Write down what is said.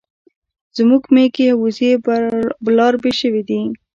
زموږ ميږي او وزې برالبې شوې دي